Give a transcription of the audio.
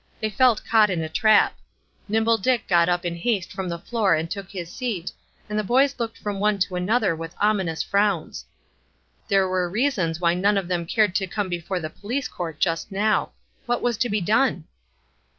They felt caught in a trap. Nimble Dick got up in haste from the floor and took his seat, and the boys looked from one to another with ominous frowns. There were reasons why none of them cared to come before the police court just now. What was to be done?